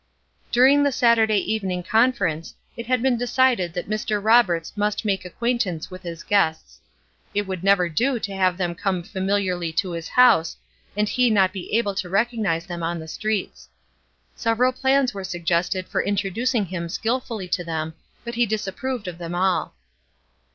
During the Saturday evening conference it had been decided that Mr. Roberts must make acquaintance with his guests. It would never do to have them come familiarly to his house, and he not be able to recognize them on the streets. Several plans were suggested for introducing him skilfully to them, but he disapproved of them all.